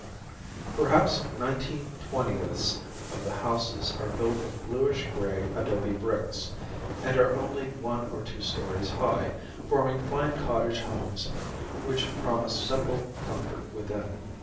[Illustration: IN THE WAHSATCH MOUNTAINS] Perhaps nineteen twentieths of the houses are built of bluish gray adobe bricks, and are only one or two stories high, forming fine cottage homes which promise simple comfort within.